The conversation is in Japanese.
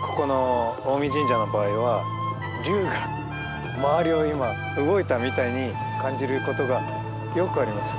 ここの大御神社の場合は龍が周りを今動いたみたいに感じることがよくあります。